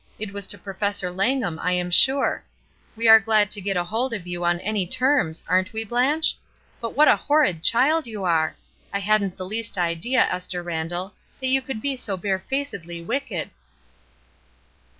"It was to Professor Langham, I "WOULDN'T YOU?'* 275 am sure ! We are glad to get hold of you on any terms, aren't we, Blanche? But what a horrid child you are ! I hadn't the least idea, Esther Randall, that you could be so bare facedly wicked!"